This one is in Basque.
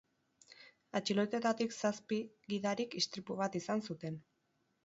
Atxilotuetatik zazpi gidarik istripu bat izan zuten.